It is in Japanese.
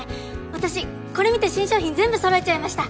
私これ見て新商品全部揃えちゃいました！